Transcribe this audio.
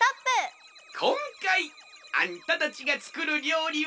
こんかいあんたたちがつくるりょうりはこれじゃ！